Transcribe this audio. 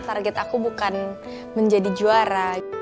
target aku bukan menjadi juara